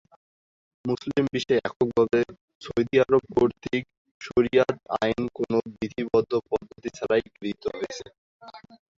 মুসলিম বিশ্বে এককভাবে, সৌদি আরব কর্তৃক শরিয়াহ আইন কোন বিধিবদ্ধ পদ্ধতি ছাড়াই গৃহীত হয়েছে।